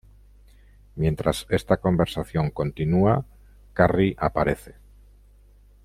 Mientras esta conversación continúa, Carrie aparece.